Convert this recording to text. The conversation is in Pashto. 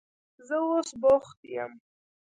زه اوس بوخت یم.